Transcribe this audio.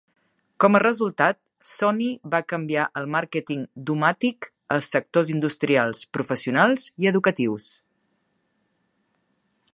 Com a resultat, Sony va canviar el màrqueting d'U-Matic als sectors industrials, professionals i educatius.